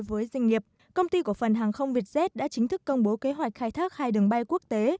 với doanh nghiệp công ty của phần hàng không vietjet đã chính thức công bố kế hoạch khai thác hai đường bay quốc tế